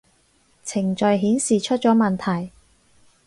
程序顯示出咗問題